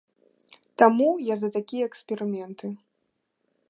Таму я за такія эксперыменты!